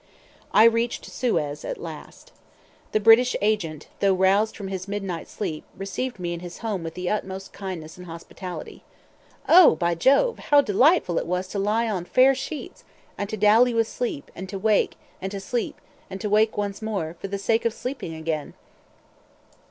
I reached Suez at last. The British agent, though roused from his midnight sleep, received me in his home with the utmost kindness and hospitality. Oh! by Jove, how delightful it was to lie on fair sheets, and to dally with sleep, and to wake, and to sleep, and to wake once more, for the sake of sleeping again!